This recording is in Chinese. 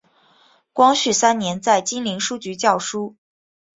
光绪三年在金陵书局校书。